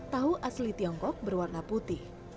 tahu asli tiongkok berwarna putih